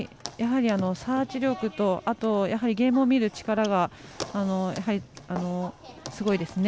サーチ力とゲームを見る力がやはりすごいですね。